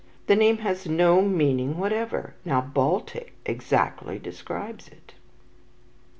The name has no meaning whatever. Now 'Baltic' exactly describes it."